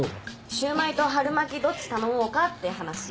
シューマイと春巻きどっち頼もうかって話。